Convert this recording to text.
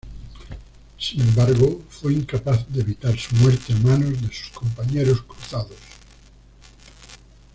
Sin embargo, fue incapaz de evitar su muerte a manos de sus compañeros cruzados.